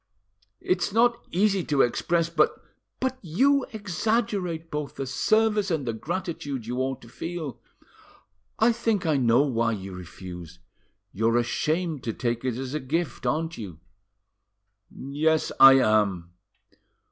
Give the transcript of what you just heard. "It's not easy to express, but——" "But you exaggerate both the service and the gratitude you ought to feel. I think I know why you refuse. You're ashamed to take it as a gift, aren't you." "Yes, I am."